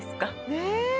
ねえ！